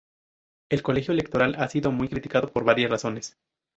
El Colegio Electoral ha sido muy criticado por varias razones.